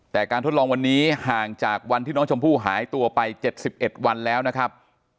แต่การทดลองวันนี้ห่างจากวันที่น้องชมพู่หายตัวไป๗๑วันแล้วนะครับ